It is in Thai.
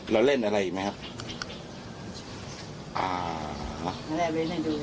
เราเล่นอะไรอีกไหมครับ